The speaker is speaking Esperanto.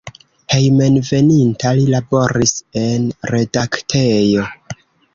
Hejmenveninta li laboris en redaktejo.